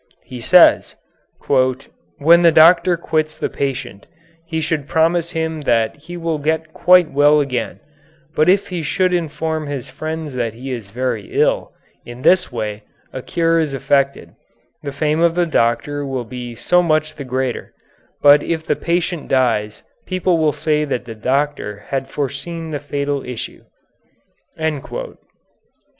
He says, "When the doctor quits the patient he should promise him that he will get quite well again, but he should inform his friends that he is very ill; in this way, if a cure is affected, the fame of the doctor will be so much the greater, but if the patient dies people will say that the doctor had foreseen the fatal issue."